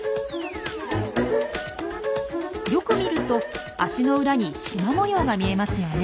よく見ると足の裏に縞模様が見えますよね。